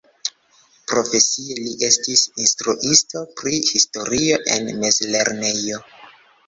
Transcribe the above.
Profesie li estis instruisto pri historio en mezlernejo.